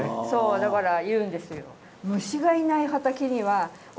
だから言うんですよ。